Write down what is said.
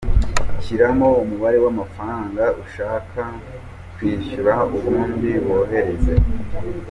Shyiramo umubare w'amafaranga ushaka kwishyura ubundi wohereze.